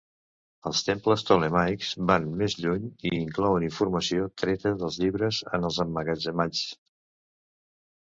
Els temples ptolemaics van més lluny i inclouen informació treta dels llibres en ells emmagatzemats.